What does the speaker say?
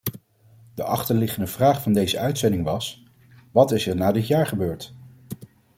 De achterliggende vraag van deze uitzending was: wat is er na dit jaar gebeurd?